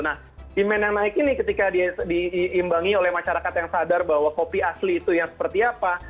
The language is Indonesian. nah demand yang naik ini ketika diimbangi oleh masyarakat yang sadar bahwa kopi asli itu yang seperti apa